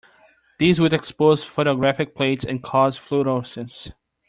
This would expose photographic plates and cause fluorescence.